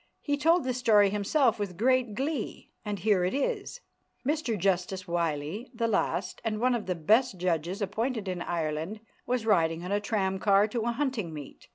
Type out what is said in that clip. "He told the story himself with great glee, and here it is. Mr Justice Wylie, the last, and one of the best judges appointed in Ireland, was riding on a tramcar to a hunting meet.